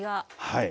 はい。